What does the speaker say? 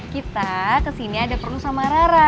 kita kesini ada perlu sama rara